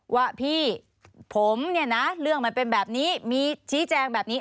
ว่าพี่ผมเนี่ยนะเรื่องมันเป็นแบบนี้มีชี้แจงแบบนี้